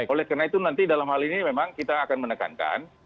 oleh karena itu nanti dalam hal ini memang kita akan menekankan